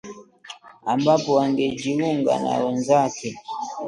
ambapo angejiunga na wenzake